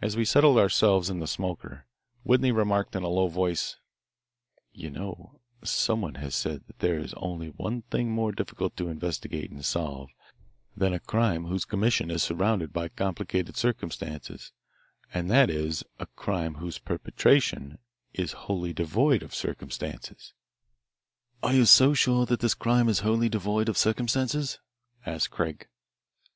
As we settled ourselves in the smoker, Whitney remarked in a low voice, "You know, someone has said that there is only one thing more difficult to investigate and solve than a crime whose commission is surrounded by complicated circumstances and that is a crime whose perpetration is wholly devoid of circumstances." "Are you so sure that this crime is wholly devoid of circumstances?" asked Craig.